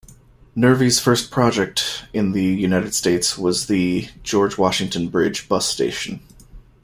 Nervi's first project in the United States was the George Washington Bridge Bus Station.